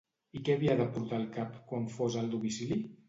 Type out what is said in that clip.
I què havia de portar al cap quan fos al domicili?